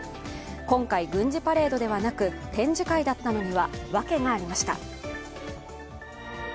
今回、軍事パレードではなく展示会だったのにはわけがありました。